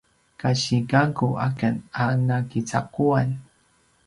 kasi gakku aken a nakicaquan